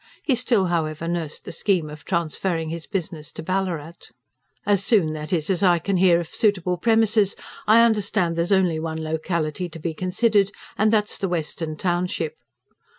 He still, however, nursed the scheme of transferring his business to Ballarat. "As soon, that is, as I can hear of suitable premises. I understand there's only one locality to be considered, and that's the western township."